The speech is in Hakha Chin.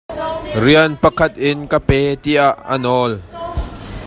Rian pakhat in ka pe tiah ka nawl.